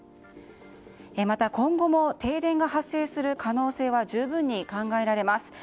また今後も停電が発生する可能性は十分に考えられます。